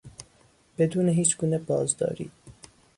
بدون هیچگونه بازداری